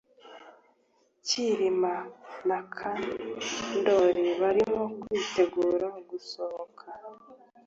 Kirima na Mukandoli barimo kwitegura gusohoka